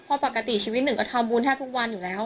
เพราะปกติชีวิตหนึ่งก็ทำบุญแทบทุกวันอยู่แล้ว